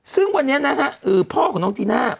ซึ่งวันนี้นะฮะพ่อของน้องจีน่า